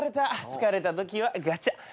疲れたときはガチャ。